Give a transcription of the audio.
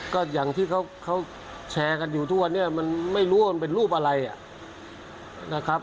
ก็อย่างที่เขาแชร์กันอยู่ทุกวันนี้มันไม่รู้ว่ามันเป็นรูปอะไรนะครับ